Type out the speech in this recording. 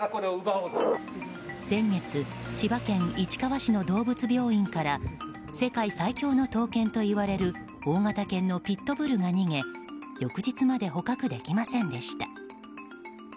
先月、千葉県市川市の動物病院から世界最強の闘犬といわれる大型犬のピット・ブルが逃げ翌日まで捕獲できませんでした。